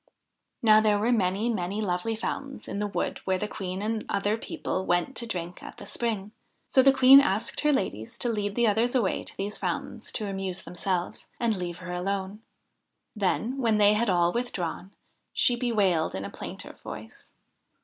Now there were many, many lovely fountains in the wood where the Queen and other people went to drink at the spring ; so the Queen asked her ladies to lead the others away to these fountains to amuse themselves, and leave her alone. Then, when they had all withdrawn, she bewailed in a plaintive voice.